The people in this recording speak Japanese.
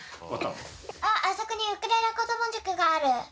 「あっあそこにウクレレこどもじゅくがある」。